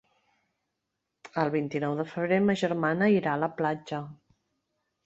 El vint-i-nou de febrer ma germana irà a la platja.